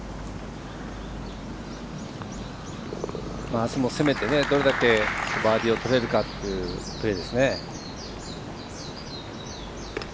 あすも攻めて、どれだけバーディーをとれるかというプレーですね。